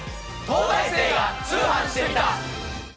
『東大生が通販してみた！！』。